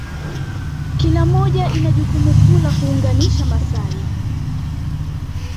kila moja ina jukumu kuu la kuunganisha Maasai